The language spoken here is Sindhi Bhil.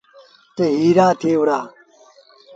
تا هيرآݩ ٿئي وهُڙآ۔